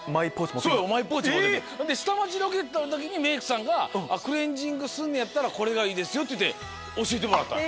『下町ロケット』の時にメイクさんが「クレンジングすんねやったらこれがいいですよ」って教えてもらった。